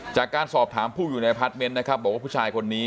จากการสอบถามผู้อยู่ในพาร์ทเมนต์นะครับบอกว่าผู้ชายคนนี้